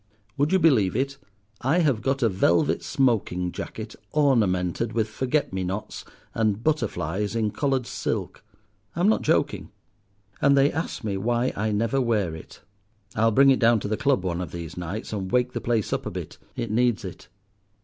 Would you believe it, I have got a velvet smoking jacket, ornamented with forget me nots and butterflies in coloured silk; I'm not joking. And they ask me why I never wear it. I'll bring it down to the Club one of these nights and wake the place up a bit: it needs it."